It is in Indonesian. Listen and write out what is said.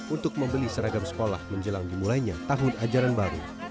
untuk membeli seragam sekolah menjelang dimulainya tahun ajaran baru